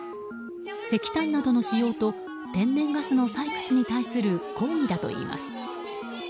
石炭などの使用と天然ガスの採掘に対する抗議だといいます。